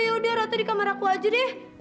ya udah rata di kamar aku aja deh